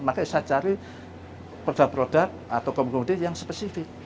makanya saya cari produk produk atau komodi yang spesifik